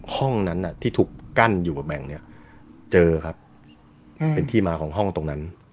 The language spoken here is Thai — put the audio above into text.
ห้องนั้นที่ถูกกั้นอยู่กับแบ่งเนี่ยเจอครับเป็นที่มาของห้องตรงนั้น